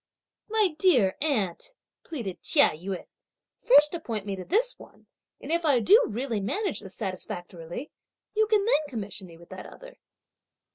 "My dear aunt," pleaded Chia Yün, "first appoint me to this one, and if I do really manage this satisfactorily, you can then commission me with that other!"